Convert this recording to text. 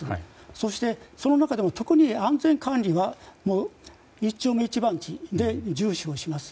そしてその中でも特に安全管理は一丁目一番地で重視をします。